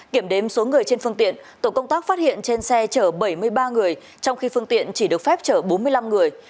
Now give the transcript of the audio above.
kiểm đếm số người trên phương tiện tổ công tác phát hiện trên xe chở bảy mươi ba người trong khi phương tiện chỉ được phép chở bốn mươi năm người